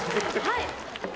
はい。